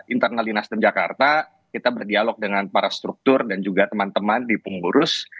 internal di nasdem jakarta kita berdialog dengan para struktur dan juga teman teman di pengurus